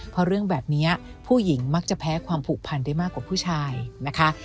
เพราะเรื่องแบบนี้ผู้หญิงมักจะแพ้ความผูกพันได้มากกว่าผู้ชายนะคะ